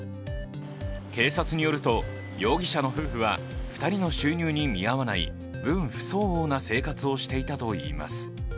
警察によると、容疑者の夫婦は２人の収入に見合わない分不相応な生活をしていたといいます。